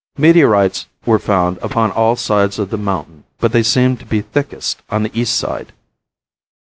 Meteorites were found upon all sides of the mountain but they seemed to be thickest on the east side.